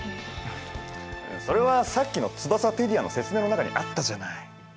それはさっきのツバサペディアの説明の中にあったじゃない？